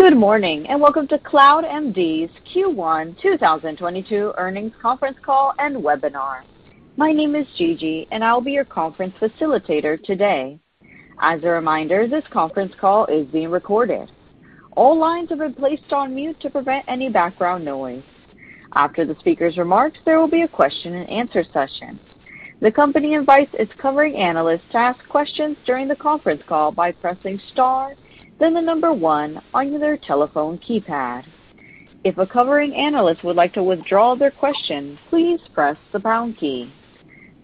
Good morning, and welcome to CloudMD's Q1 2022 earnings conference call and webinar. My name is Gigi, and I'll be your conference facilitator today. As a reminder, this conference call is being recorded. All lines have been placed on mute to prevent any background noise. After the speaker's remarks, there will be a Q&A session. The company invites its covering analysts to ask questions during the conference call by pressing star, then the number one on their telephone keypad. If a covering analyst would like to withdraw their question, please press the pound key.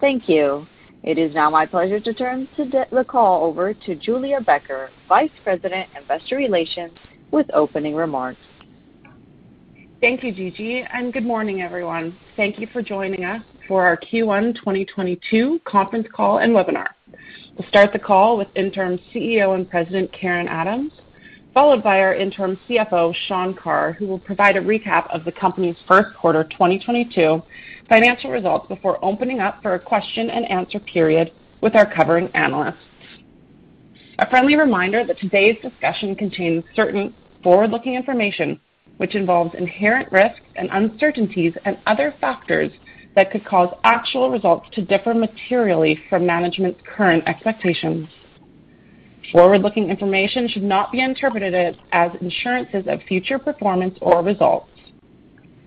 Thank you. It is now my pleasure to turn the call over to Julia Becker, Vice President, Investor Relations, with opening remarks. Thank you, Gigi, and good morning, everyone. Thank you for joining us for our Q1 2022 conference call and webinar. We'll start the call with Interim CEO and President Karen Adams, followed by our Interim CFO Sean Carr, who will provide a recap of the company's first quarter 2022 financial results before opening up for a question-and-answer period with our covering analysts. A friendly reminder that today's discussion contains certain forward-looking information which involves inherent risks and uncertainties and other factors that could cause actual results to differ materially from management's current expectations. Forward-looking information should not be interpreted as assurances of future performance or results.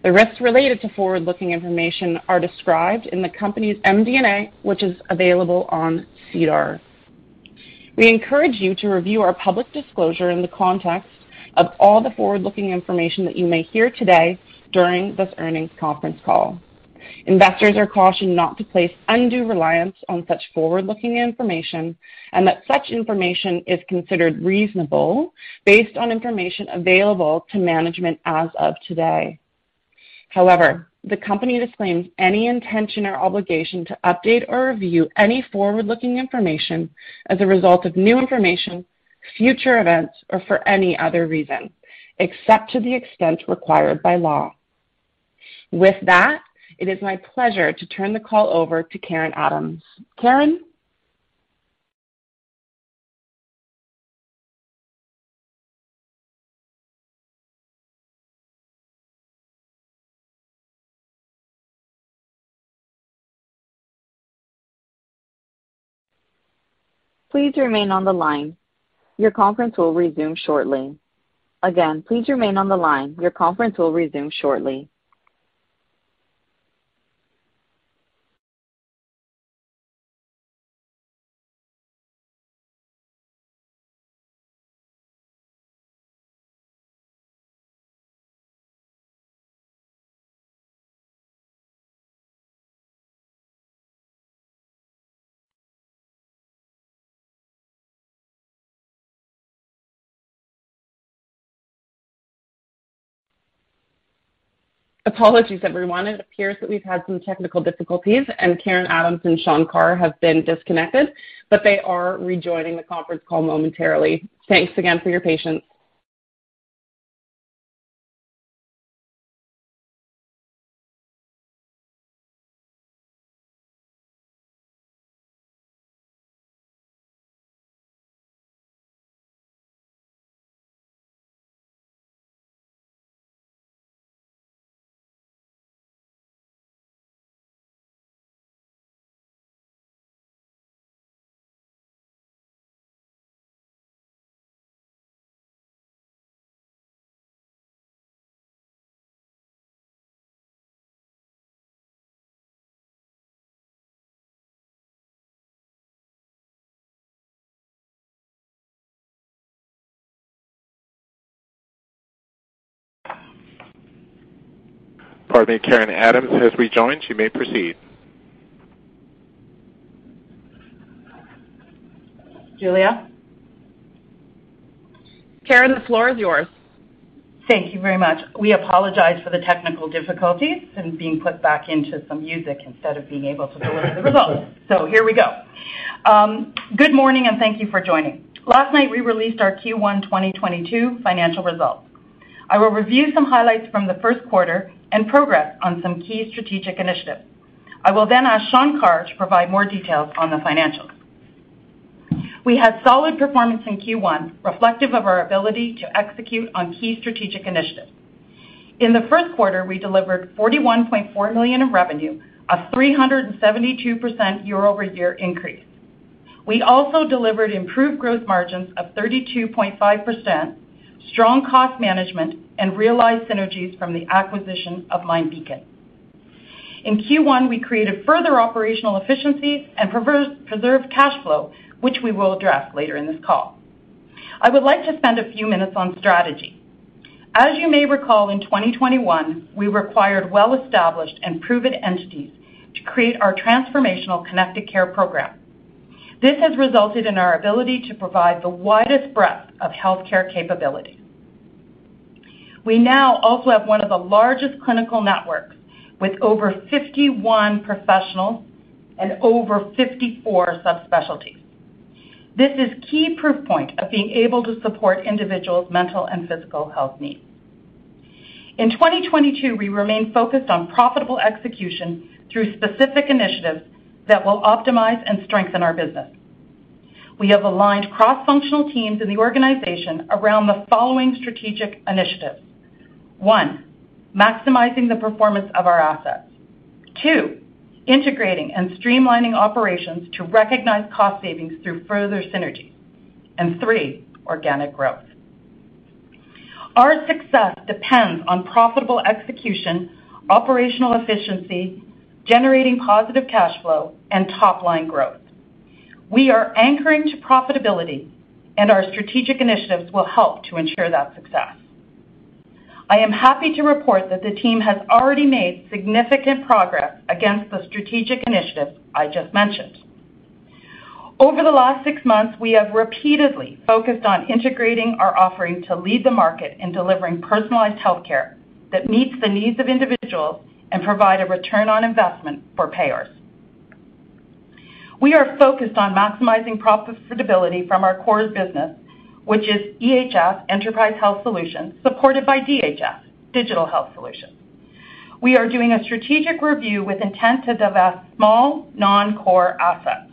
The risks related to forward-looking information are described in the company's MD&A, which is available on SEDAR. We encourage you to review our public disclosure in the context of all the forward-looking information that you may hear today during this earnings conference call. Investors are cautioned not to place undue reliance on such forward-looking information and that such information is considered reasonable based on information available to management as of today. However, the company disclaims any intention or obligation to update or review any forward-looking information as a result of new information, future events, or for any other reason, except to the extent required by law. With that, it is my pleasure to turn the call over to Karen Adams. Karen? Please remain on the line. Your conference will resume shortly. Again, please remain on the line. Your conference will resume shortly. Apologies, everyone. It appears that we've had some technical difficulties and Karen Adams and Sean Carr have been disconnected, but they are rejoining the conference call momentarily. Thanks again for your patience. Pardon me, Karen Adams has rejoined. She may proceed. Julia? Karen, the floor is yours. Thank you very much. We apologize for the technical difficulties and being put back into some music instead of being able to deliver the results. Here we go. Good morning, and thank you for joining. Last night, we released our Q1 2022 financial results. I will review some highlights from the first quarter and progress on some key strategic initiatives. I will then ask Sean Carr to provide more details on the financials. We had solid performance in Q1, reflective of our ability to execute on key strategic initiatives. In the first quarter, we delivered 41.4 million in revenue, a 372% year-over-year increase. We also delivered improved gross margins of 32.5%, strong cost management, and realized synergies from the acquisition of MindBeacon. In Q1, we created further operational efficiencies and preserved cash flow, which we will address later in this call. I would like to spend a few minutes on strategy. As you may recall, in 2021, we required well-established and proven entities to create our transformational connected care program. This has resulted in our ability to provide the widest breadth of healthcare capability. We now also have one of the largest clinical networks with over 51 professionals and over 54 subspecialties. This is key proof point of being able to support individuals' mental and physical health needs. In 2022, we remain focused on profitable execution through specific initiatives that will optimize and strengthen our business. We have aligned cross-functional teams in the organization around the following strategic initiatives. One, maximizing the performance of our assets. Two, integrating and streamlining operations to recognize cost savings through further synergy. Three, organic growth. Our success depends on profitable execution, operational efficiency, generating positive cash flow, and top-line growth. We are anchoring to profitability, and our strategic initiatives will help to ensure that success. I am happy to report that the team has already made significant progress against the strategic initiatives I just mentioned. Over the last six months, we have repeatedly focused on integrating our offering to lead the market in delivering personalized health care that meets the needs of individuals and provide a return on investment for payers. We are focused on maximizing profitability from our core business, which is EHS, Enterprise Health Solutions, supported by DHS, Digital Health Solutions. We are doing a strategic review with intent to divest small, non-core assets.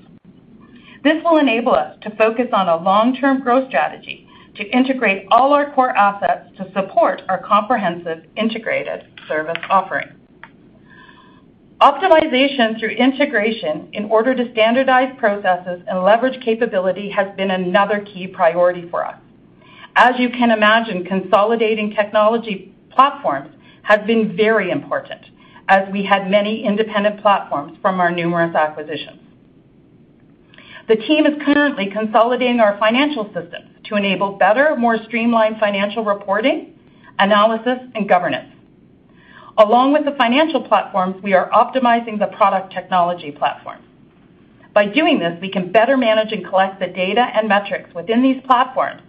This will enable us to focus on a long-term growth strategy to integrate all our core assets to support our comprehensive integrated service offering. Optimization through integration in order to standardize processes and leverage capability has been another key priority for us. As you can imagine, consolidating technology platforms has been very important as we had many independent platforms from our numerous acquisitions. The team is currently consolidating our financial systems to enable better, more streamlined financial reporting, analysis, and governance. Along with the financial platforms, we are optimizing the product technology platform. By doing this, we can better manage and collect the data and metrics within these platforms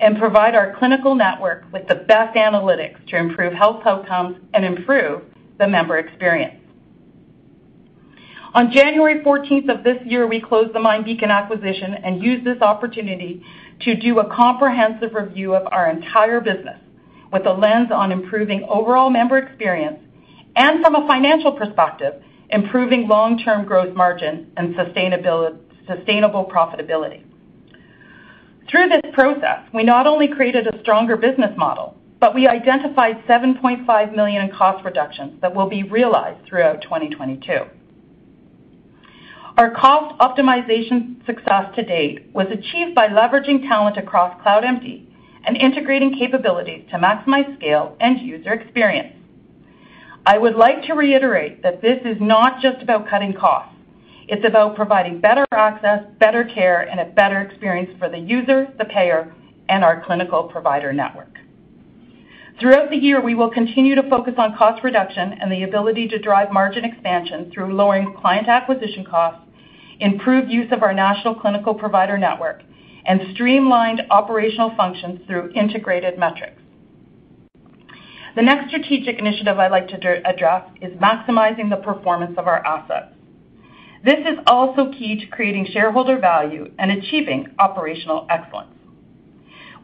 and provide our clinical network with the best analytics to improve health outcomes and improve the member experience. On January fourteenth of this year, we closed the MindBeacon acquisition and used this opportunity to do a comprehensive review of our entire business with a lens on improving overall member experience and from a financial perspective, improving long-term growth margin and sustainable profitability. Through this process, we not only created a stronger business model, but we identified 7.5 million in cost reductions that will be realized throughout 2022. Our cost optimization success to date was achieved by leveraging talent across CloudMD and integrating capabilities to maximize scale and user experience. I would like to reiterate that this is not just about cutting costs. It's about providing better access, better care, and a better experience for the user, the payer, and our clinical provider network. Throughout the year, we will continue to focus on cost reduction and the ability to drive margin expansion through lowering client acquisition costs, improved use of our national clinical provider network, and streamlined operational functions through integrated metrics. The next strategic initiative I'd like to address is maximizing the performance of our assets. This is also key to creating shareholder value and achieving operational excellence.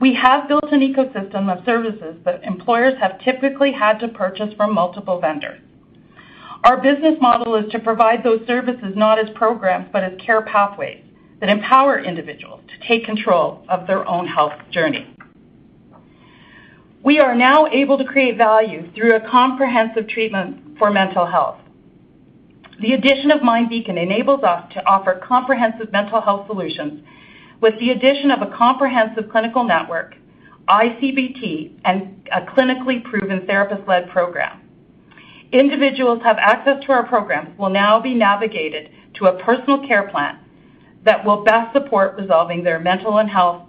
We have built an ecosystem of services that employers have typically had to purchase from multiple vendors. Our business model is to provide those services not as programs, but as care pathways that empower individuals to take control of their own health journey. We are now able to create value through a comprehensive treatment for mental health. The addition of MindBeacon enables us to offer comprehensive mental health solutions with the addition of a comprehensive clinical network, iCBT, and a clinically proven therapist-led program. Individuals have access to our program will now be navigated to a personal care plan that will best support resolving their mental and health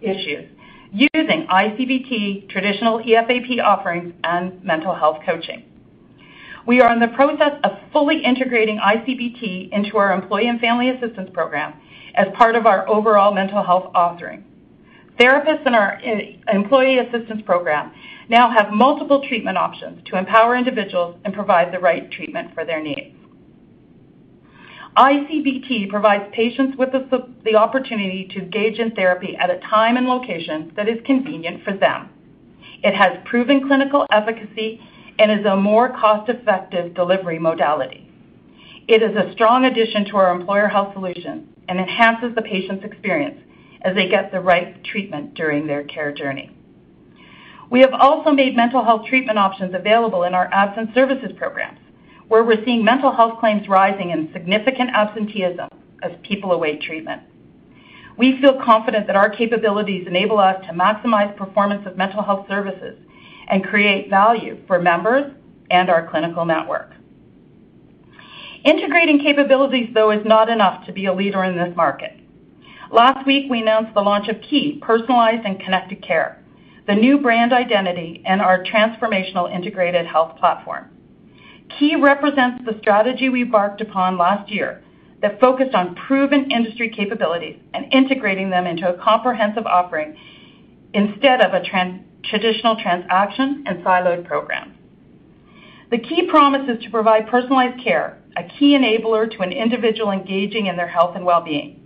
issues using iCBT, traditional EFAP offerings, and mental health coaching. We are in the process of fully integrating iCBT into our employee and family assistance program as part of our overall mental health offering. Therapists in our employee assistance program now have multiple treatment options to empower individuals and provide the right treatment for their needs. iCBT provides patients with the opportunity to engage in therapy at a time and location that is convenient for them. It has proven clinical efficacy and is a more cost-effective delivery modality. It is a strong addition to our employer health solutions and enhances the patient's experience as they get the right treatment during their care journey. We have also made mental health treatment options available in our absence services programs, where we're seeing mental health claims rising and significant absenteeism as people await treatment. We feel confident that our capabilities enable us to maximize performance of mental health services and create value for members and our clinical network. Integrating capabilities, though, is not enough to be a leader in this market. Last week, we announced the launch of Kii, personalized and connected care, the new brand identity in our transformational integrated health platform. Kii represents the strategy we embarked upon last year that focused on proven industry capabilities and integrating them into a comprehensive offering instead of a traditional transaction and siloed programs. The key promise is to provide personalized care, a key enabler to an individual engaging in their health and well-being.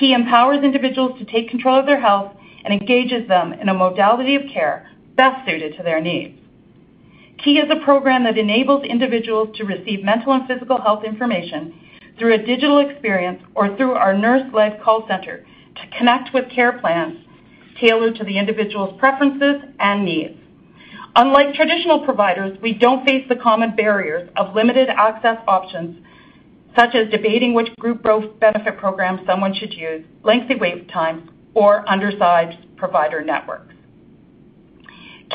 Kii empowers individuals to take control of their health and engages them in a modality of care best suited to their needs. Kii is a program that enables individuals to receive mental and physical health information through a digital experience or through our nurse-led call center to connect with care plans tailored to the individual's preferences and needs. Unlike traditional providers, we don't face the common barriers of limited access options, such as debating which group health benefit program someone should use, lengthy wait times, or undersized provider networks.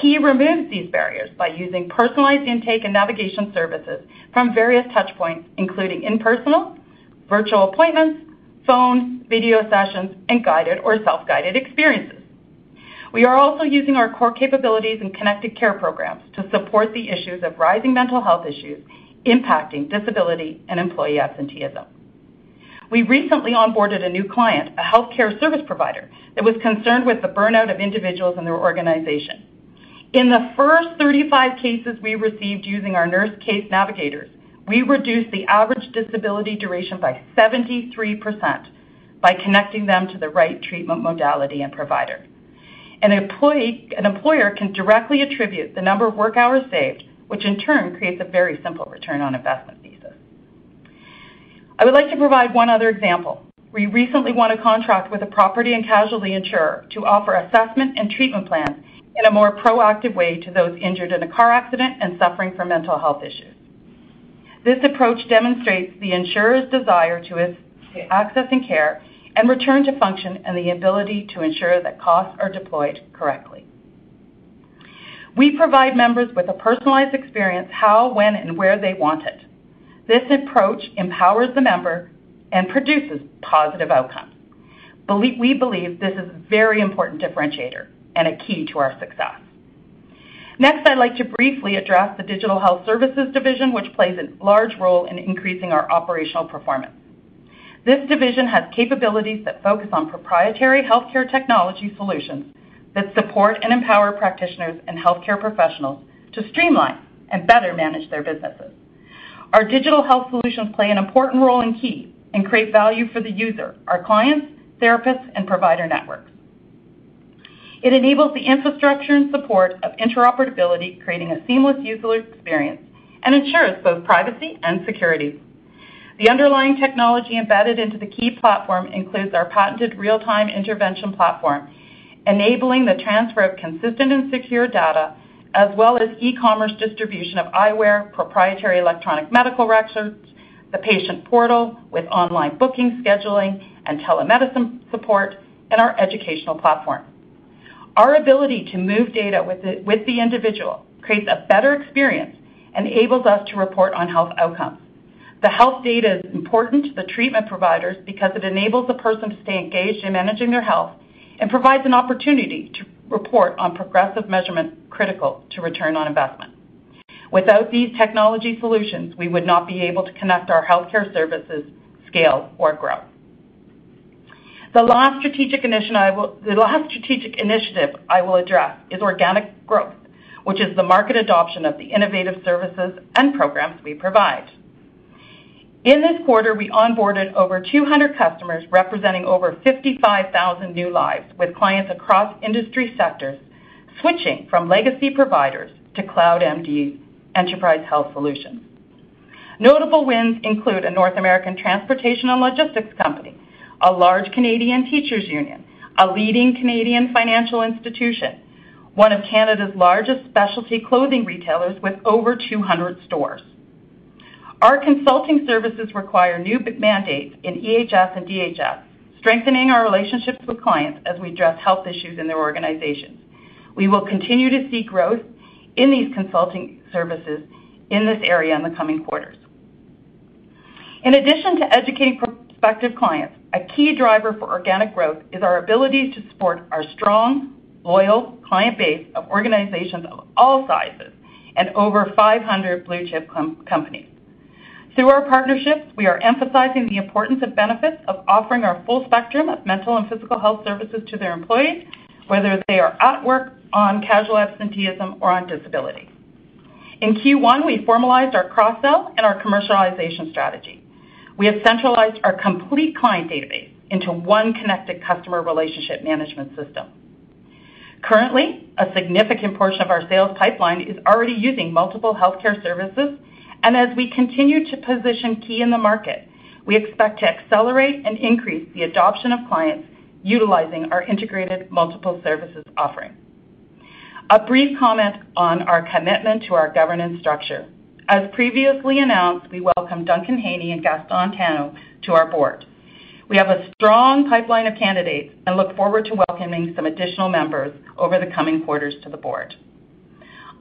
Kii removes these barriers by using personalized intake and navigation services from various touch points, including in-person, virtual appointments, phone, video sessions, and guided or self-guided experiences. We are also using our core capabilities in connected care programs to support the issues of rising mental health issues impacting disability and employee absenteeism. We recently onboarded a new client, a healthcare service provider, that was concerned with the burnout of individuals in their organization. In the first 35 cases we received using our nurse case navigators, we reduced the average disability duration by 73% by connecting them to the right treatment modality and provider. An employer can directly attribute the number of work hours saved, which in turn creates a very simple return on investment thesis. I would like to provide one other example. We recently won a contract with a property and casualty insurer to offer assessment and treatment plans in a more proactive way to those injured in a car accident and suffering from mental health issues. This approach demonstrates the insurer's desire to access and care and return to function and the ability to ensure that costs are deployed correctly. We provide members with a personalized experience how, when, and where they want it. This approach empowers the member and produces positive outcomes. We believe this is a very important differentiator and a key to our success. Next, I'd like to briefly address the Digital Health Solutions division, which plays a large role in increasing our operational performance. This division has capabilities that focus on proprietary healthcare technology solutions that support and empower practitioners and healthcare professionals to streamline and better manage butheir sinesses. Our Digital Health Solutions play an important role in Kii and create value for the user, our clients, therapists, and provider networks. It enables the infrastructure and support of interoperability, creating a seamless user experience, and ensures both privacy and security. The underlying technology embedded into the Kii platform includes our patented real-time intervention platform, enabling the transfer of consistent and secure data, as well as e-commerce distribution of eyewear, proprietary electronic medical records, the patient portal with online booking, scheduling, and telemedicine support, and our educational platform. Our ability to move data with the individual creates a better experience and enables us to report on health outcomes. The health data is important to the treatment providers because it enables the person to stay engaged in managing their health and provides an opportunity to report on progressive measurements critical to return on investment. Without these technology solutions, we would not be able to connect our healthcare services, scale or grow. The last strategic initiative I will address is organic growth, which is the market adoption of the innovative services and programs we provide. In this quarter, we onboarded over 200 customers, representing over 55,000 new lives, with clients across industry sectors switching from legacy providers to CloudMD Enterprise Health Solutions. Notable wins include a North American transportation and logistics company, a large Canadian teachers union, a leading Canadian financial institution, one of Canada's largest specialty clothing retailers with over 200 stores. Our consulting services require new mandates in EHS and DHS, strengthening our relationships with clients as we address health issues in their organizations. We will continue to see growth in these consulting services in this area in the coming quarters. In addition to educating prospective clients, a key driver for organic growth is our ability to support our strong, loyal client base of organizations of all sizes and over 500 blue chip companies. Through our partnerships, we are emphasizing the importance of benefits of offering our full spectrum of mental and physical health services to their employees, whether they are at work, on casual absenteeism, or on disability. In Q1, we formalized our cross-sell and our commercialization strategy. We have centralized our complete client database into one connected customer relationship management system. Currently, a significant portion of our sales pipeline is already using multiple healthcare services. As we continue to position Key in the market, we expect to accelerate and increase the adoption of clients utilizing our integrated multiple services offering. A brief comment on our commitment to our governance structure. As previously announced, we welcome Duncan Hannay and Gaston Tano to our board. We have a strong pipeline of candidates and look forward to welcoming some additional members over the coming quarters to the board.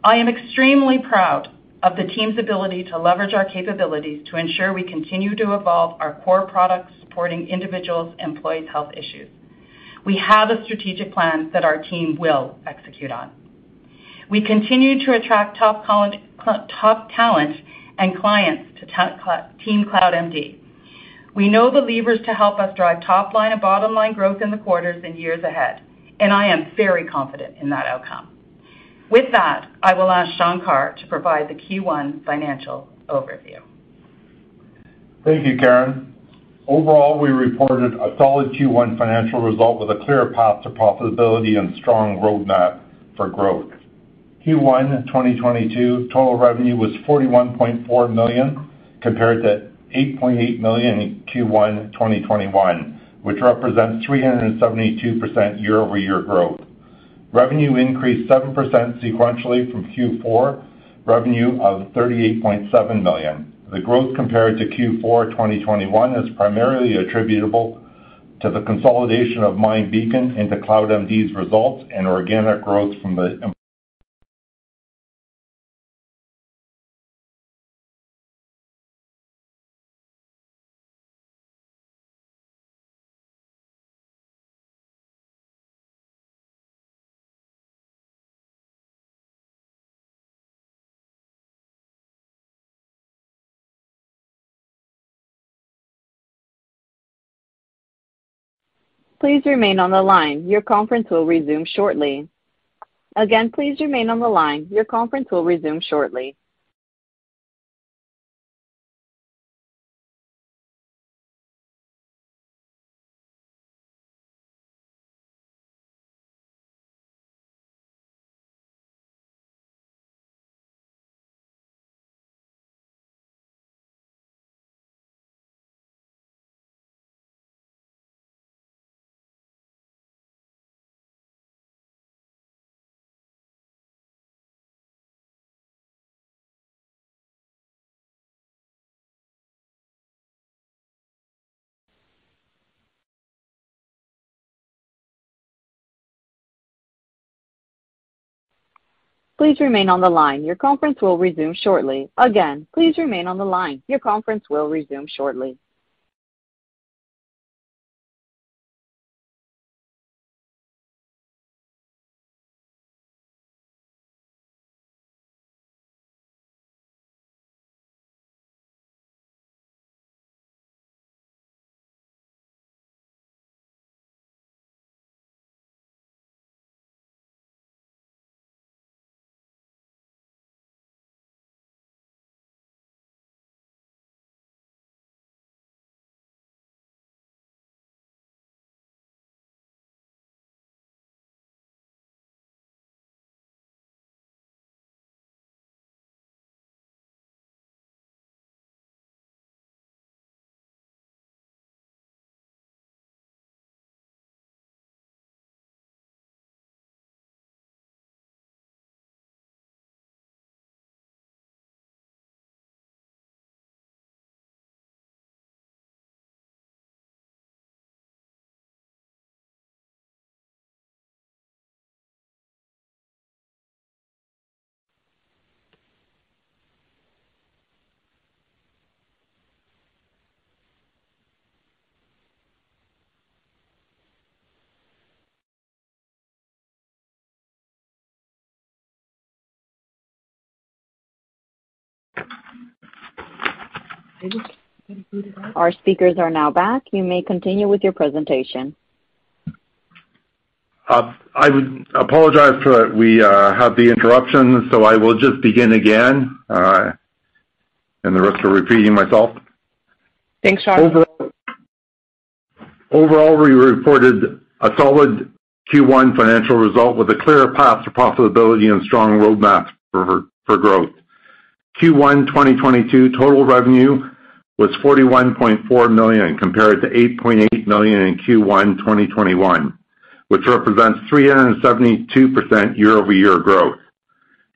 I am extremely proud of the team's ability to leverage our capabilities to ensure we continue to evolve our core products supporting individuals' employees' health issues. We have a strategic plan that our team will execute on. We continue to attract top talent and clients to team CloudMD. We know the levers to help us drive top line and bottom line growth in the quarters and years ahead, and I am very confident in that outcome. With that, I will ask Sean Carr to provide the Q1 financial overview. Thank you, Karen. Overall, we reported a solid Q1 financial result with a clear path to profitability and strong roadmap for growth. Q1 2022 total revenue was 41.4 million, compared to 8.8 million in Q1 2021, which represents 372% year-over-year growth. Revenue increased 7% sequentially from Q4 revenue of 38.7 million. The growth compared to Q4 2021 is primarily attributable to the consolidation of MindBeacon into CloudMD's results and organic growth from the employee- Please remain on the line. Your conference will resume shortly. Again, please remain on the line. Your conference will resume shortly. Please remain on the line. Your conference will resume shortly. Again, please remain on the line. Your conference will resume shortly. Our speakers are now back. You may continue with your presentation. I apologize, we had the interruption, so I will just begin again at the risk of repeating myself. Thanks, Sean Carr. Overall, we reported a solid Q1 financial result with a clear path to profitability and strong roadmap for growth. Q1 2022 total revenue was 41.4 million, compared to 8.8 million in Q1 2021, which represents 372% year-over-year growth.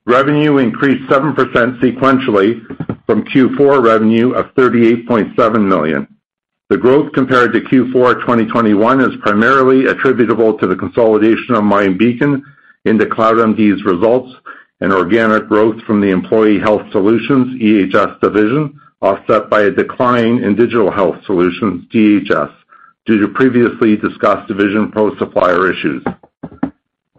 Revenue increased 7% sequentially from Q4 revenue of 38.7 million. The growth compared to Q4 2021 is primarily attributable to the consolidation of MindBeacon into CloudMD's results and organic growth from the Enterprise Health Solutions, EHS, division, offset by a decline in digital health solutions, DHS, due to previously discussed VisionPros supplier issues.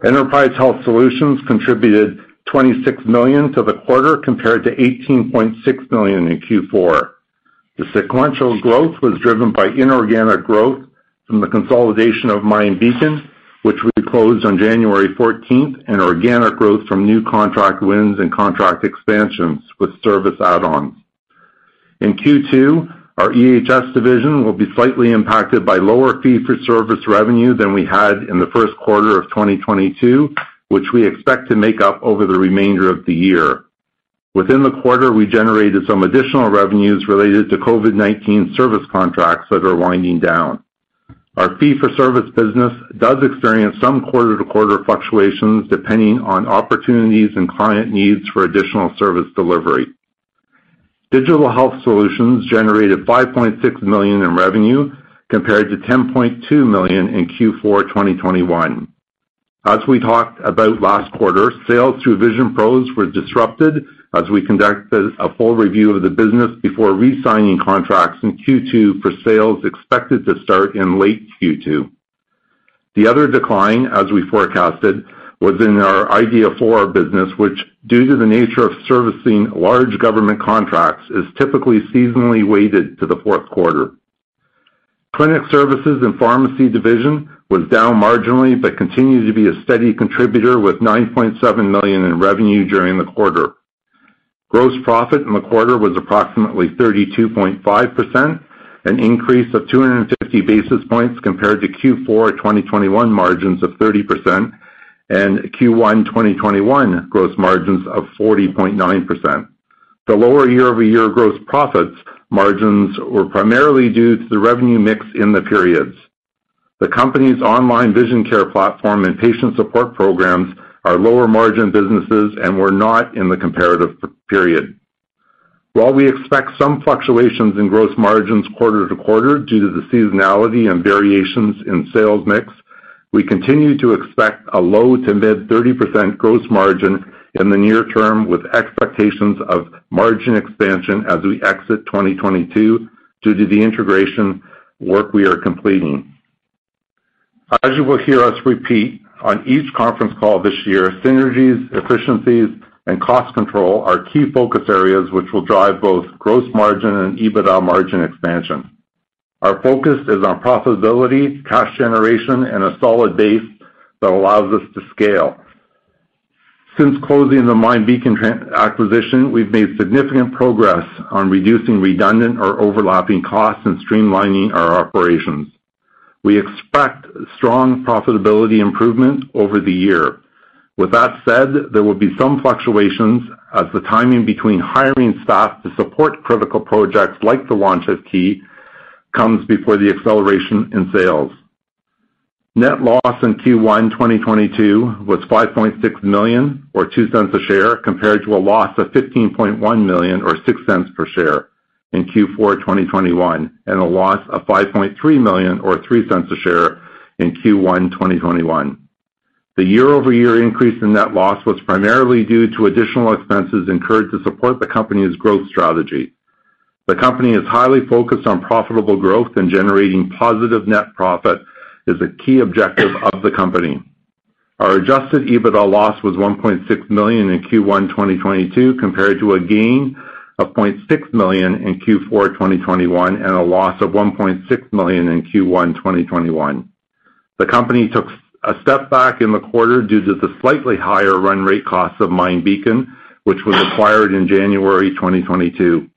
Enterprise Health Solutions contributed 26 million to the quarter, compared to 18.6 million in Q4. The sequential growth was driven by inorganic growth from the consolidation of MindBeacon, which we closed on January 14, and organic growth from new contract wins and contract expansions with service add-ons. In Q2, our EHS division will be slightly impacted by lower fee-for-service revenue than we had in the first quarter of 2022, which we expect to make up over the remainder of the year. Within the quarter, we generated some additional revenues related to COVID-19 service contracts that are winding down. Our fee-for-service business does experience some quarter-to-quarter fluctuations, depending on opportunities and client needs for additional service delivery. Digital Health Solutions generated 5.6 million in revenue, compared to 10.2 million in Q4 2021. As we talked about last quarter, sales through VisionPros were disrupted as we conducted a full review of the business before re-signing contracts in Q2 for sales expected to start in late Q2. The other decline, as we forecasted, was in our IDYA4 business, which, due to the nature of servicing large government contracts, is typically seasonally weighted to the fourth quarter. Clinic services and pharmacy division was down marginally, but continues to be a steady contributor with 9.7 million in revenue during the quarter. Gross profit in the quarter was approximately 32.5%, an increase of 250 basis points compared to Q4 2021 margins of 30% and Q1 2021 gross margins of 40.9%. The lower year-over-year gross profit margins were primarily due to the revenue mix in the periods. The company's online vision care platform and patient support programs are lower margin businesses and were not in the comparative period. While we expect some fluctuations in gross margins quarter-to-quarter due to the seasonality and variations in sales mix, we continue to expect a low- to mid-30% gross margin in the near term with expectations of margin expansion as we exit 2022 due to the integration work we are completing. As you will hear us repeat on each conference call this year, synergies, efficiencies, and cost control are key focus areas which will drive both gross margin and EBITDA margin expansion. Our focus is on profitability, cash generation, and a solid base that allows us to scale. Since closing the MindBeacon acquisition, we've made significant progress on reducing redundant or overlapping costs and streamlining our operations. We expect strong profitability improvement over the year. With that said, there will be some fluctuations as the timing between hiring staff to support critical projects like the launch of Kii comes before the acceleration in sales. Net loss in Q1 2022 was 5.6 million or 0.02 per share compared to a loss of 15.1 million or 0.06 per share in Q4 2021, and a loss of 5.3 million or 0.03 per share in Q1 2021. The year-over-year increase in net loss was primarily due to additional expenses incurred to support the company's growth strategy. The company is highly focused on profitable growth, and generating positive net profit is a key objective of the company. Our adjusted EBITDA loss was 1.6 million in Q1 2022 compared to a gain of 0.6 million in Q4 2021 and a loss of 1.6 million in Q1 2021. The company took a step back in the quarter due to the slightly higher run rate cost of MindBeacon, which was acquired in January 2022.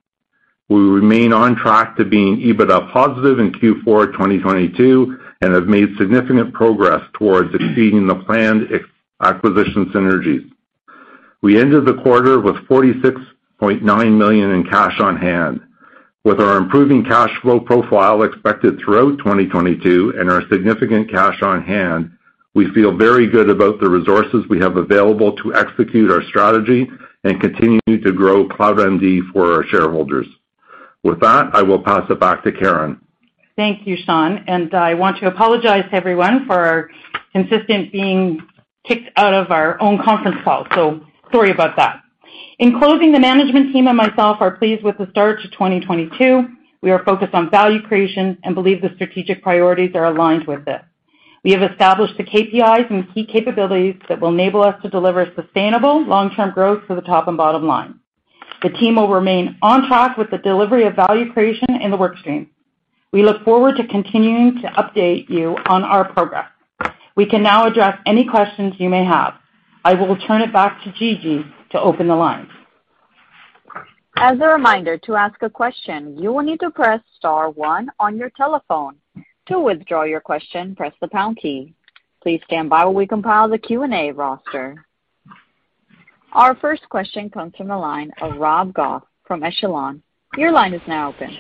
We remain on track to being EBITDA positive in Q4 2022 and have made significant progress towards exceeding the planned acquisition synergies. We ended the quarter with 46.9 million in cash on hand. With our improving cash flow profile expected throughout 2022 and our significant cash on hand, we feel very good about the resources we have available to execute our strategy and continue to grow CloudMD for our shareholders. With that, I will pass it back to Karen. Thank you, Sean, and I want to apologize to everyone for our consistently being kicked out of our own conference call. Sorry about that. In closing, the management team and myself are pleased with the start to 2022. We are focused on value creation and believe the strategic priorities are aligned with this. We have established the KPIs and key capabilities that will enable us to deliver sustainable long-term growth for the top and bottom line. The team will remain on track with the delivery of value creation in the work stream. We look forward to continuing to update you on our progress. We can now address any questions you may have. I will turn it back to Gigi to open the lines. As a reminder, to ask a question, you will need to press star 1 on your telephone. To withdraw your question, press the pound key. Please stand by while we compile the Q&A roster. Our first question comes from the line of Rob Goff from Echelon. Your line is now open.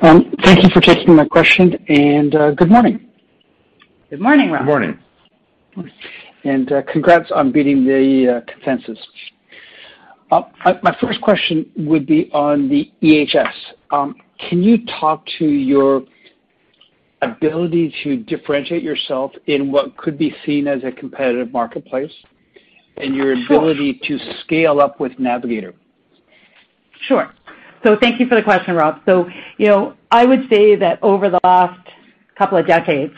Thank you for taking my question, and good morning. Good morning, Rob. Good morning. Congrats on beating the consensus. My first question would be on the EHS. Can you talk to your ability to differentiate yourself in what could be seen as a competitive marketplace and your ability to scale up with Navigator? Sure. Thank you for the question, Rob. I would say that over the last couple of decades,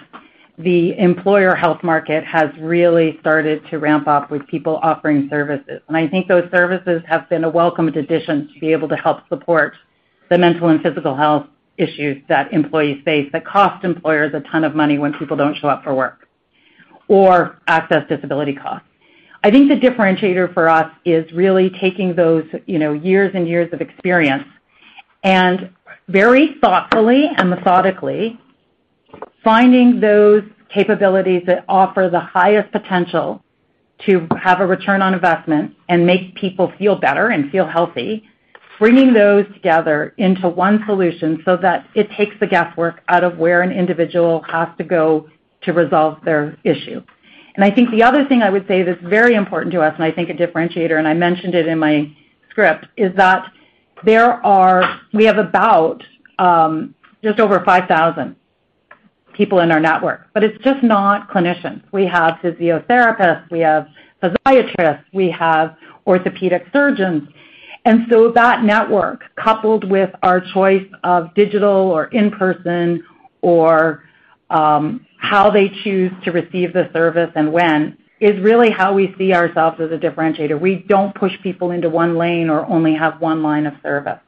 the employer health market has really started to ramp up with people offering services. I think those services have been a welcomed addition to be able to help support the mental and physical health issues that employees face that cost employers a ton of money when people don't show up for work or access disability costs. I think the differentiator for us is really taking those, years and years of experience and very thoughtfully and methodically finding those capabilities that offer the highest potential to have a return on investment and make people feel better and feel healthy, bringing those together into one solution so that it takes the guesswork out of where an individual has to go to resolve their issue. I think the other thing I would say that's very important to us and I think a differentiator, and I mentioned it in my script, is that we have about, just over 5,000 people in our network, but it's just not clinicians. We have physiotherapists, we have psychiatrists, we have orthopedic surgeons. That network, coupled with our choice of digital or in-person or, how they choose to receive the service and when, is really how we see ourselves as a differentiator. We don't push people into one lane or only have one line of service.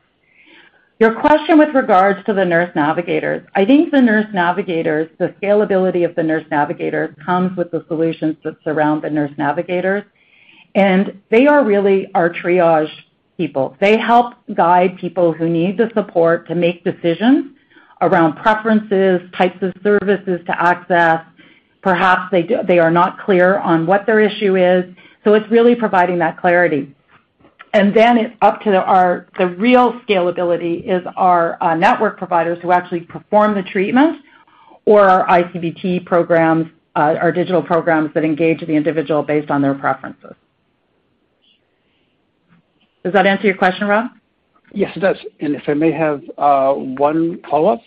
Your question with regards to the nurse navigators. I think the nurse navigators, the scalability of the nurse navigator comes with the solutions that surround the nurse navigators, and they are really our triage people. They help guide people who need the support to make decisions around preferences, types of services to access. Perhaps they are not clear on what their issue is, so it's really providing that clarity. The real scalability is our network providers who actually perform the treatment or our iCBT programs, our digital programs that engage the individual based on their preferences. Does that answer your question, Rob? Yes, it does. If I may have one follow-up.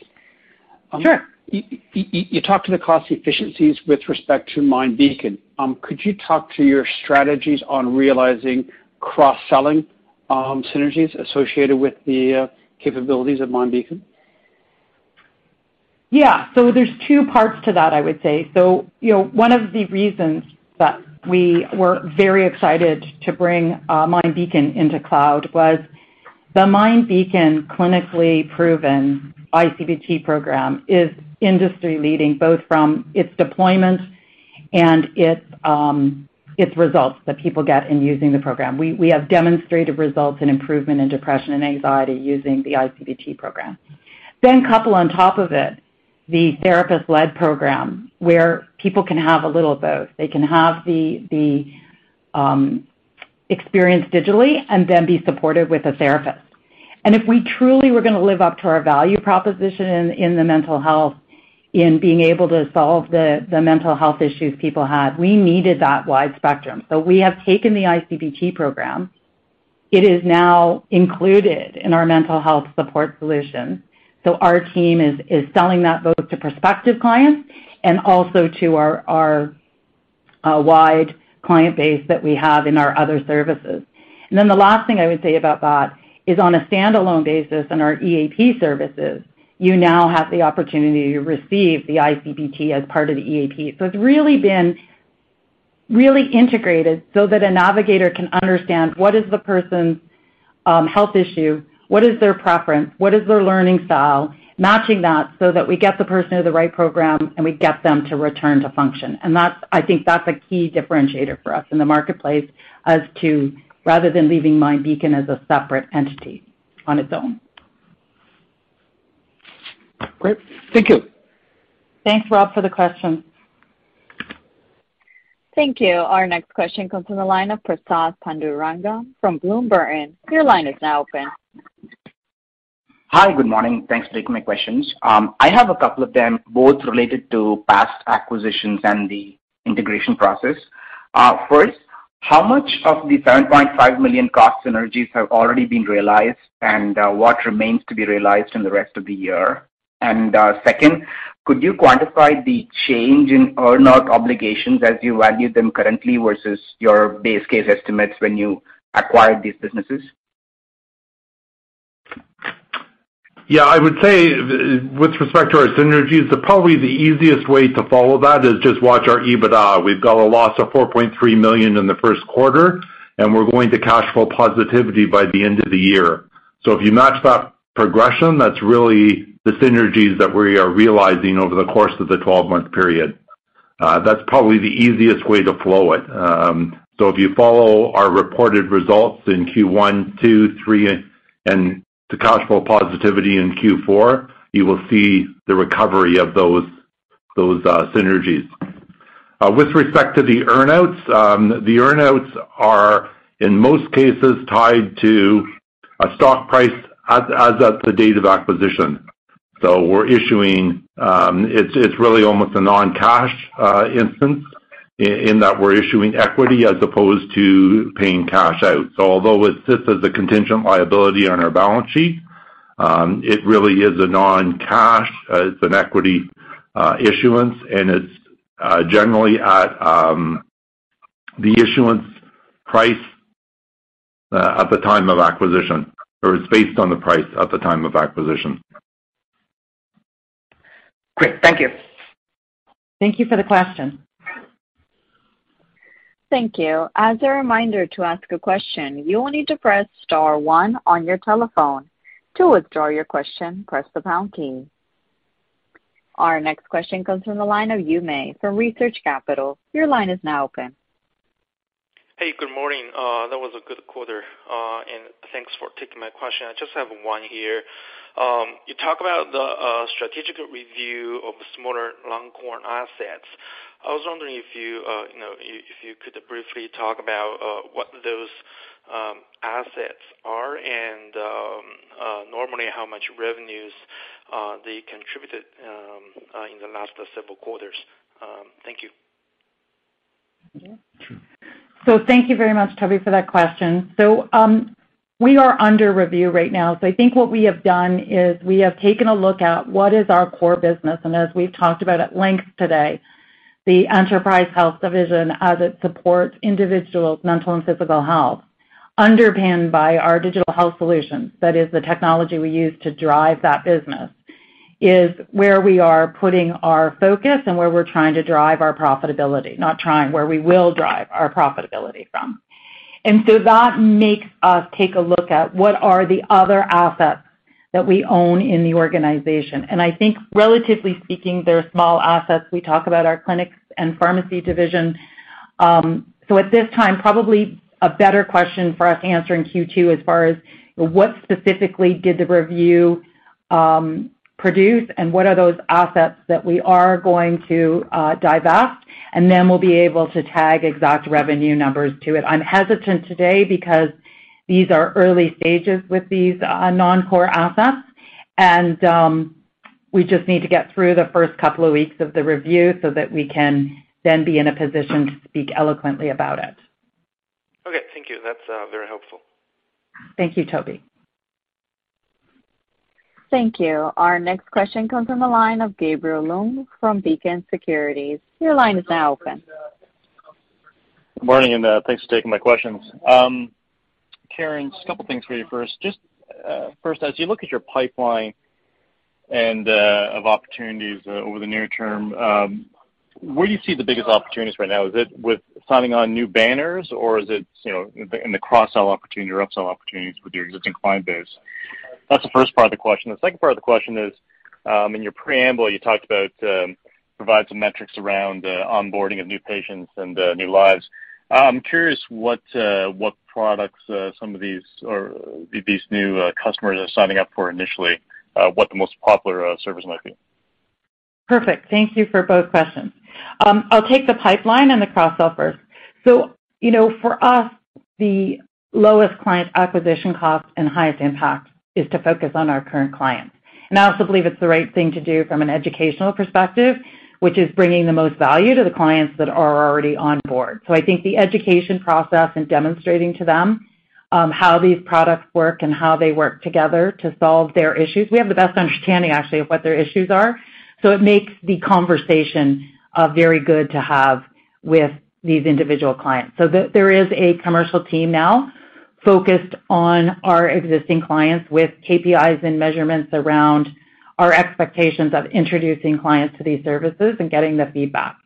Sure. You talked to the cost efficiencies with respect to MindBeacon. Could you talk to your strategies on realizing cross-selling, synergies associated with the capabilities of MindBeacon? There's two parts to that, I would say. One of the reasons that we were very excited to bring MindBeacon into CloudMD was the MindBeacon clinically proven iCBT program is industry-leading, both from its deployment and its results that people get in using the program. We have demonstrated results in improvement in depression and anxiety using the iCBT program. Couple on top of it, the therapist-led program where people can have a little of both. They can have the experience digitally and then be supported with a therapist. If we truly were gonna live up to our value proposition in the mental health in being able to solve the mental health issues people had, we needed that wide spectrum. We have taken the iCBT program. It is now included in our mental health support solution. Our team is selling that both to prospective clients and also to our wide client base that we have in our other services. The last thing I would say about that is on a standalone basis on our EAP services, you now have the opportunity to receive the iCBT as part of the EAP. It's really integrated so that a navigator can understand what is the person's health issue, what is their preference, what is their learning style, matching that so that we get the person to the right program and we get them to return to function. That's, I think, a key differentiator for us in the marketplace as to rather than leaving MindBeacon as a separate entity on its own. Great. Thank you. Thanks, Rob, for the question. Thank you. Our next question comes from the line of Prasad Panduranga from Bloomberg. Your line is now open. Hi. Good morning. Thanks for taking my questions. I have a couple of them, both related to past acquisitions and the integration process. First, how much of the 7.5 million cost synergies have already been realized, and what remains to be realized in the rest of the year? Second, could you quantify the change in earn-out obligations as you value them currently versus your base case estimates when you acquired these businesses? I would say with respect to our synergies, probably the easiest way to follow that is just watch our EBITDA. We've got a loss of 4.3 million in the first quarter, and we're going to cash flow positivity by the end of the year. If you match that progression, that's really the synergies that we are realizing over the course of the 12-month period. That's probably the easiest way to flow it. If you follow our reported results in Q1, Q2, Q3, and to cash flow positivity in Q4, you will see the recovery of those synergies. With respect to the earn-outs, the earn-outs are in most cases tied to a stock price as at the date of acquisition. We're issuing. It's really almost a non-cash instance in that we're issuing equity as opposed to paying cash out. Although it sits as a contingent liability on our balance sheet, it really is a non-cash equity issuance, and it's generally at the issuance price at the time of acquisition, or it's based on the price at the time of acquisition. Great. Thank you. Thank you for the question. Thank you. As a reminder to ask a question, you will need to press star 1 on your telephone. To withdraw your question, press the pound key. Our next question comes from the line of Yue Ma from Research Capital. Your line is now open. Hey. Good morning. That was a good quarter. Thanks for taking my question. I just have one here. You talk about the strategic review of the smaller non-core assets. I was wondering if you could briefly talk about what those assets are and normally how much revenues they contributed in the last several quarters. Thank you. Thank you very much, Toby, for that question. We are under review right now. I think what we have done is we have taken a look at what is our core business, and as we've talked about at length today. The Enterprise Health Solutions division, as it supports individuals' mental and physical health, underpinned by our Digital Health Solutions, that is the technology we use to drive that business, is where we are putting our focus and where we're trying to drive our profitability. Not trying, where we will drive our profitability from. That makes us take a look at what are the other assets that we own in the organization. I think relatively speaking, they're small assets. We talk about our clinics and pharmacy division. At this time, probably a better question for us to answer in Q2 as far as what specifically did the review produce and what are those assets that we are going to divest, and then we'll be able to tag exact revenue numbers to it. I'm hesitant today because these are early stages with these non-core assets, and we just need to get through the first couple of weeks of the review so that we can then be in a position to speak eloquently about it. Okay. Thank you. That's very helpful. Thank you, Toby. Thank you. Our next question comes from the line of Gabriel Leung from Beacon Securities. Your line is now open. Good morning, and thanks for taking my questions. Karen, just a couple of things for you first. Just first, as you look at your pipeline and of opportunities over the near term, where do you see the biggest opportunities right now? Is it with signing on new banners or is it, in the cross-sell opportunity or upsell opportunities with your existing client base? That's the first part of the question. The second part of the question is, in your preamble, you talked about provide some metrics around onboarding of new patients and new lives. I'm curious what products some of these or these new customers are signing up for initially, what the most popular service might be. Perfect. Thank you for both questions. I'll take the pipeline and the cross-sell first. for us, the lowest client acquisition cost and highest impact is to focus on our current clients. I also believe it's the right thing to do from an educational perspective, which is bringing the most value to the clients that are already on board. I think the education process and demonstrating to them how these products work and how they work together to solve their issues. We have the best understanding, actually, of what their issues are. It makes the conversation very good to have with these individual clients. There is a commercial team now focused on our existing clients with KPIs and measurements around our expectations of introducing clients to these services and getting the feedback.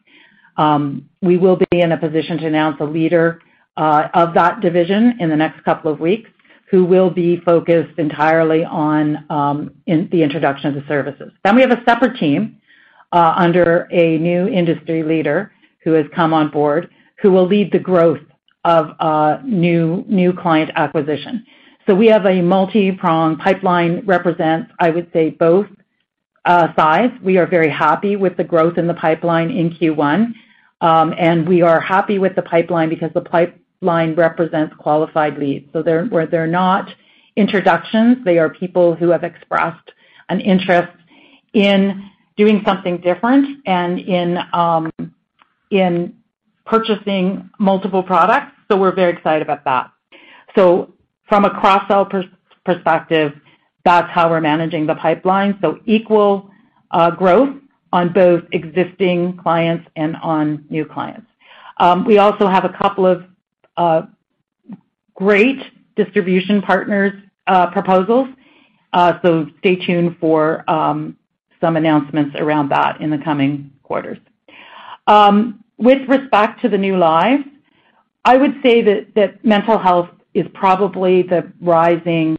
We will be in a position to announce a leader of that division in the next couple of weeks who will be focused entirely on in the introduction of the services. We have a separate team under a new industry leader who has come on board, who will lead the growth of new client acquisition. We have a multipronged pipeline represents, I would say, both sides. We are very happy with the growth in the pipeline in Q1. We are happy with the pipeline because the pipeline represents qualified leads. They're where they're not introductions, they are people who have expressed an interest in doing something different and in purchasing multiple products. We're very excited about that. From a cross-sell perspective, that's how we're managing the pipeline. Equal growth on both existing clients and on new clients. We also have a couple of great distribution partners proposals. Stay tuned for some announcements around that in the coming quarters. With respect to the new lives, I would say that mental health is probably the rising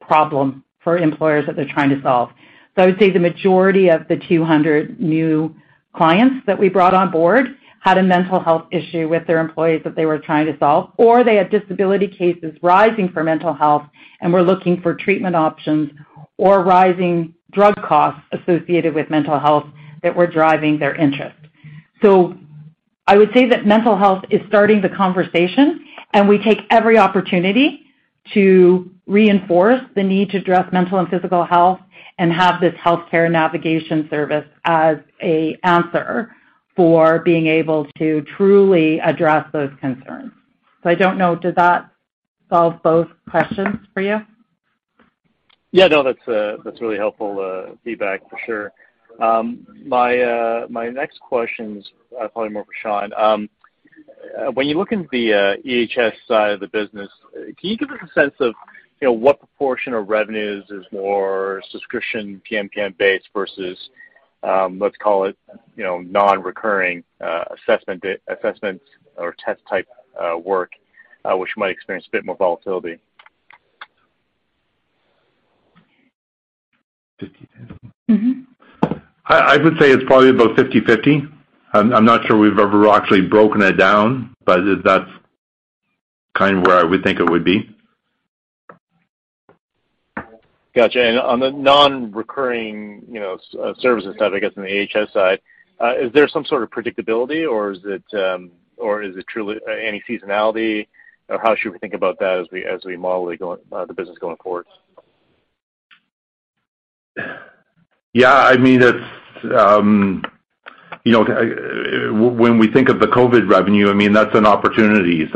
problem for employers that they're trying to solve. I would say the majority of the 200 new clients that we brought on board had a mental health issue with their employees that they were trying to solve, or they had disability cases rising for mental health and were looking for treatment options or rising drug costs associated with mental health that were driving their interest. I would say that mental health is starting the conversation, and we take every opportunity to reinforce the need to address mental and physical health and have this healthcare navigation service as an answer for being able to truly address those concerns. I don't know, does that solve both questions for you? No, that's really helpful feedback for sure. My next question is probably more for Sean. When you look into the EHS side of the business, can you give us a sense of, what proportion of revenues is more subscription PMPM-based versus, let's call it, non-recurring assessments or test type work, which might experience a bit more volatility? I would say it's probably about 50/50. I'm not sure we've ever actually broken it down, but that's kind of where I would think it would be. Got you. On the non-recurring, services side, I guess, on the EHS side, is there some sort of predictability or is it or is it truly any seasonality? Or how should we think about that as we model it, the business going forward? When we think of the COVID revenue, I mean, that's an opportunity.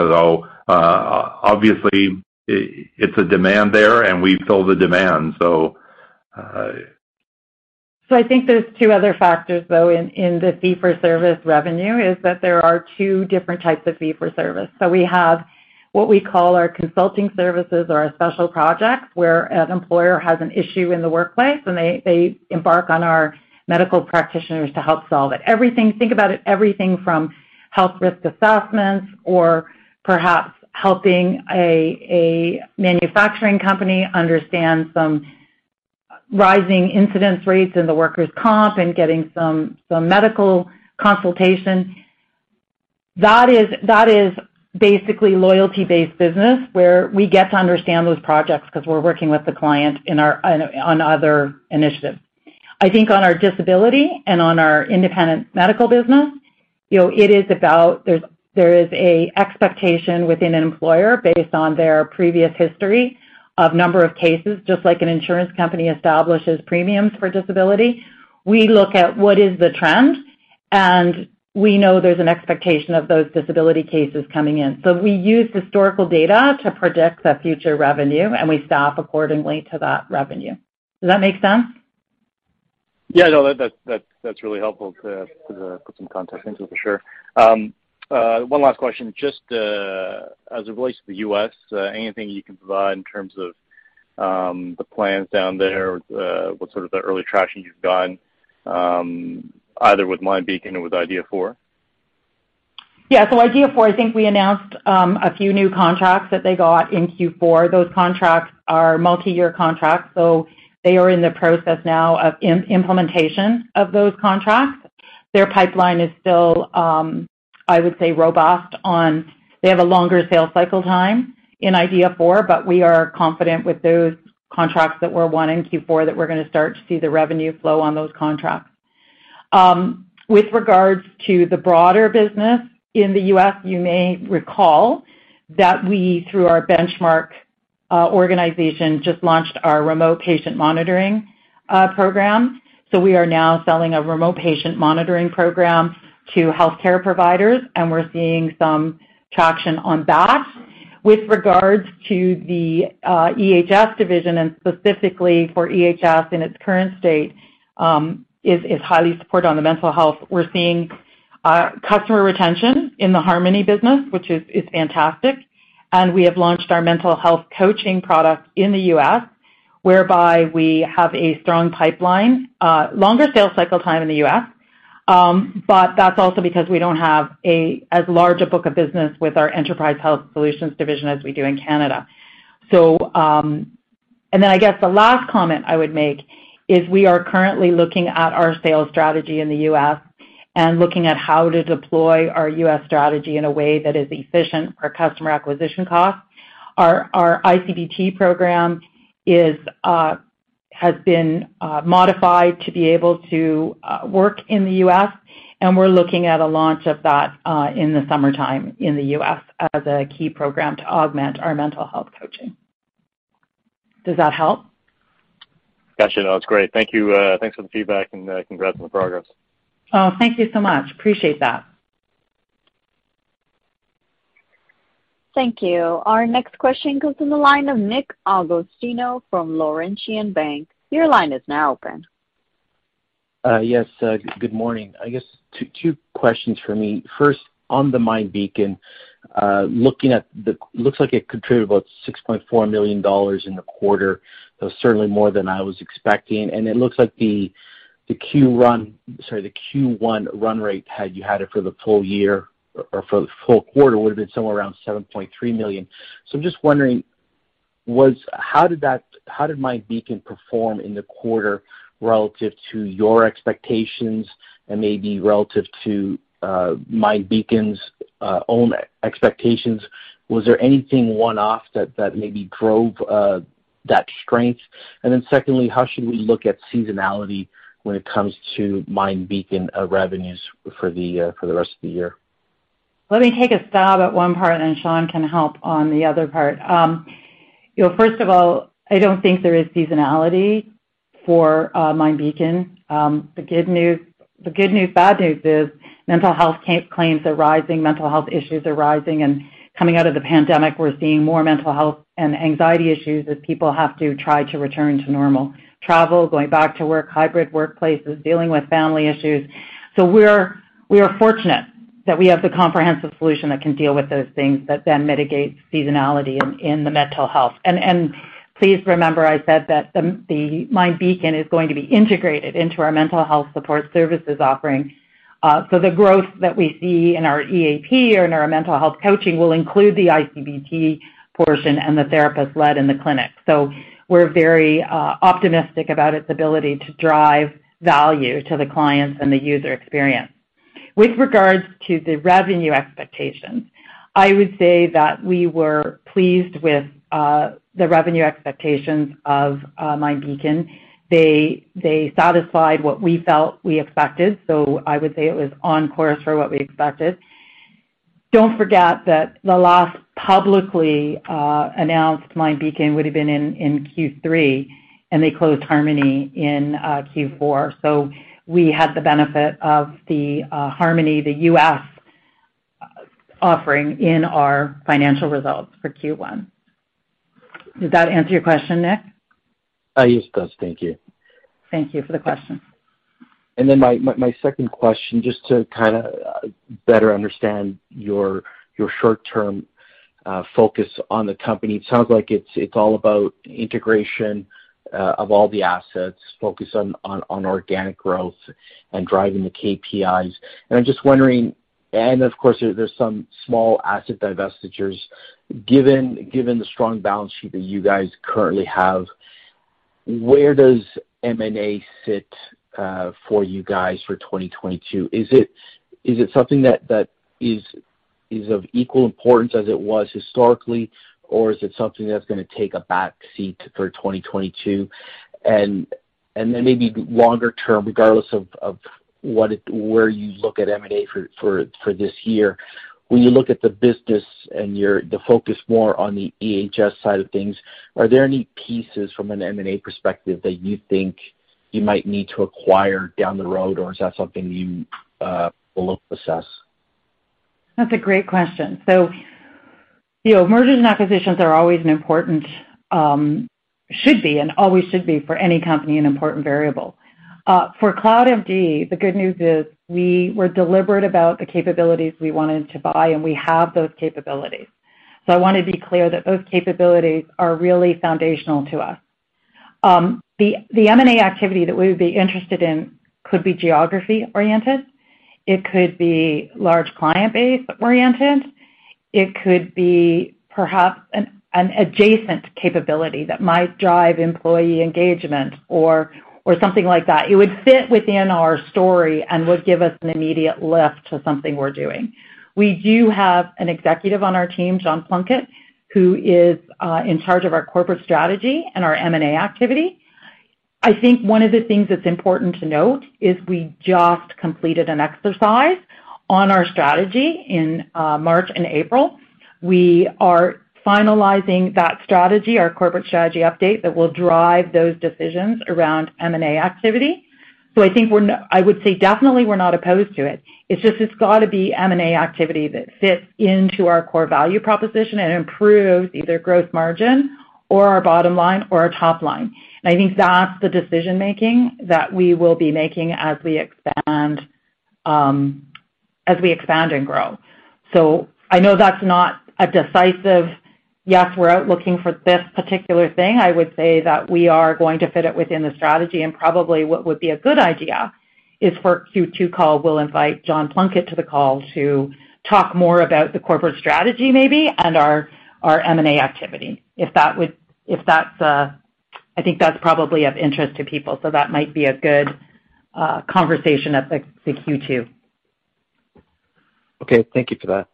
Obviously, there's a demand there and we fill the demand. I think there's two other factors, though, in the fee for service revenue, is that there are two different types of fee for service. We have what we call our consulting services or our special projects, where an employer has an issue in the workplace, and they embark on our medical practitioners to help solve it. Think about it, everything from health risk assessments or perhaps helping a manufacturing company understand some rising incidence rates in the workers' comp and getting some medical consultation. That is basically loyalty-based business, where we get to understand those projects 'cause we're working with the client on other initiatives. I think on our disability and on our independent medical business, it is about there is a expectation within an employer based on their previous history of number of cases, just like an insurance company establishes premiums for disability. We look at what is the trend, and we know there's an expectation of those disability cases coming in. So we use historical data to predict the future revenue, and we staff accordingly to that revenue. Does that make sense? That's really helpful to put some context into for sure. One last question. Just as it relates to the U.S., anything you can provide in terms of the plans down there, what sort of the early traction you've gotten, either with MindBeacon or with IDYA4? IDYA4, I think we announced a few new contracts that they got in Q4. Those contracts are multiyear contracts, so they are in the process now of implementation of those contracts. Their pipeline is still, I would say, robust. They have a longer sales cycle time in IDYA4, but we are confident with those contracts that were won in Q4 that we're gonna start to see the revenue flow on those contracts. With regards to the broader business in the U.S., you may recall that we, through our Benchmark organization, just launched our remote patient monitoring program. We are now selling a remote patient monitoring program to healthcare providers, and we're seeing some traction on that. With regards to the EHS division and specifically for EHS in its current state, it is highly supported on the mental health. We're seeing customer retention in the Harmony business, which is fantastic. We have launched our mental health coaching product in the US, whereby we have a strong pipeline, longer sales cycle time in the US, but that's also because we don't have as large a book of business with our Enterprise Health Solutions division as we do in Canada. I guess the last comment I would make is we are currently looking at our sales strategy in the US and looking at how to deploy our US strategy in a way that is efficient for customer acquisition costs. Our ICBT program has been modified to be able to work in the US, and we're looking at a launch of that in the summertime in the US as a key program to augment our mental health coaching. Does that help? No, it's great. Thank you. Thanks for the feedback, and congrats on the progress. Thank you so much. Appreciate that. Thank you. Our next question comes from the line of Nick Agostino from Laurentian Bank. Your line is now open. Good morning. I guess two questions for me. First, on the MindBeacon, looks like it contributed about 6.4 million dollars in the quarter. So certainly more than I was expecting. It looks like the Q1 run rate, had you had it for the full year or for the full quarter, would've been somewhere around 7.3 million. I'm just wondering, how did MindBeacon perform in the quarter relative to your expectations and maybe relative to MindBeacon's own expectations? Was there anything one-off that maybe drove that strength? Secondly, how should we look at seasonality when it comes to MindBeacon revenues for the rest of the year? Let me take a stab at one part, and Sean can help on the other part. First of all, I don't think there is seasonality for MindBeacon. The good news, bad news is mental health claims are rising, mental health issues are rising. Coming out of the pandemic, we're seeing more mental health and anxiety issues as people have to try to return to normal. Travel, going back to work, hybrid workplaces, dealing with family issues. We are fortunate that we have the comprehensive solution that can deal with those things that then mitigate seasonality in the mental health. Please remember I said that the MindBeacon is going to be integrated into our mental health support services offering. The growth that we see in our EAP or in our mental health coaching will include the iCBT portion and the therapist led in the clinic. We're very optimistic about its ability to drive value to the clients and the user experience. With regards to the revenue expectations, I would say that we were pleased with the revenue expectations of MindBeacon. They satisfied what we felt we expected, so I would say it was on course for what we expected. Don't forget that the last publicly announced MindBeacon would've been in Q3, and they closed Harmony in Q4. We had the benefit of the Harmony, the U.S. offering in our financial results for Q1. Did that answer your question, Nick? Yes, it does. Thank you. Thank you for the question. My second question, just to kinda better understand your short-term focus on the company. It sounds like it's all about integration of all the assets, focus on organic growth and driving the KPIs. I'm just wondering, and of course there's some small asset divestitures. Given the strong balance sheet that you guys currently have, where does M&A sit for you guys for 2022? Is it something that is of equal importance as it was historically, or is it something that's gonna take a back seat for 2022? Maybe longer term, regardless of where you look at M&A for this year, when you look at the business and the focus more on the EHS side of things, are there any pieces from an M&A perspective that you think you might need to acquire down the road, or is that something you will look to assess? That's a great question. Mergers and acquisitions are always an important variable for any company. For CloudMD, the good news is we were deliberate about the capabilities we wanted to buy, and we have those capabilities. I wanna be clear that those capabilities are really foundational to us. The M&A activity that we would be interested in could be geography-oriented. It could be large client base-oriented. It could be perhaps an adjacent capability that might drive employee engagement or something like that. It would fit within our story and would give us an immediate lift to something we're doing. We do have an executive on our team, John Plunkett, who is in charge of our corporate strategy and our M&A activity. I think one of the things that's important to note is we just completed an exercise on our strategy in March and April. We are finalizing that strategy, our corporate strategy update that will drive those decisions around M&A activity. I think I would say definitely we're not opposed to it. It's just it's gotta be M&A activity that fits into our core value proposition and improves either growth margin or our bottom line or our top line. I think that's the decision-making that we will be making as we expand and grow. I know that's not a decisive yes, we're out looking for this particular thing. I would say that we are going to fit it within the strategy, and probably what would be a good idea is for Q2 call, we'll invite John Plunkett to the call to talk more about the corporate strategy maybe and our M&A activity, if that's. I think that's probably of interest to people, so that might be a good conversation at the Q2. Okay. Thank you for that.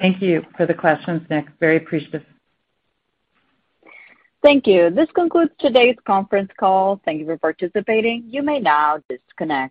Thank you for the questions, Nick. Very appreciative. Thank you. This concludes today's conference call. Thank you for participating. You may now disconnect.